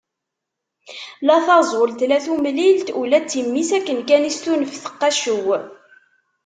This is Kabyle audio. La taẓult, la tumlilt, ula d timmi-s akken kan i as-tunef teqqaccew.